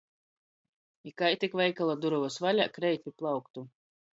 I, kai tik veikala durovys vaļā, kreit pi plauktu.